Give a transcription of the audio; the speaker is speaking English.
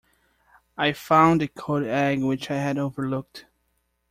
I found a cold egg which I had overlooked.